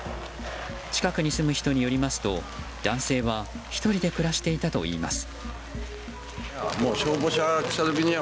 近くに住む人によりますと男性は１人で暮らしていたといいます。